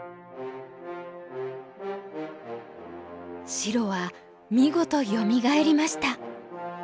白は見事よみがえりました。